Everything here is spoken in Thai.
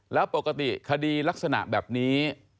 แล้วปกติคดีลักษณะแบบนี้